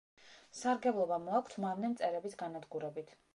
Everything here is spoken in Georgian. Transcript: სარგებლობა მოაქვთ მავნე მწერების განადგურებით.